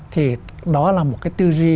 thì đó là một cái tư duy